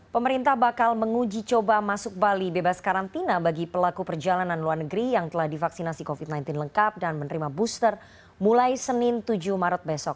pemerintah bakal menguji coba masuk bali bebas karantina bagi pelaku perjalanan luar negeri yang telah divaksinasi covid sembilan belas lengkap dan menerima booster mulai senin tujuh maret besok